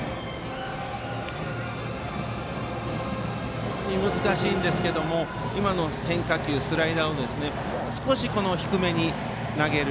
非常に難しいんですけども今の変化球、スライダーをもう少し低めに投げる。